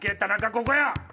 ここや！